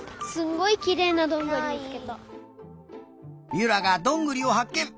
ゆらがどんぐりをはっけん！